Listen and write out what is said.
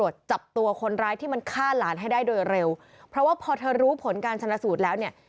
จับตัวคนร้ายที่มันฆ่าหลานให้ได้โดยเร็วเพราะว่าพอเธอรู้ผลการชนะสูตรแล้วเนี่ย